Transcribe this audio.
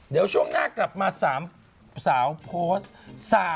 เดี๋ยวช่วงหน้ากลับมา๓สาวโพสต์